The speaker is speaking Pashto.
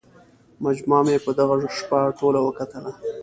مجموعه مې په دغه شپه ټوله وکتله.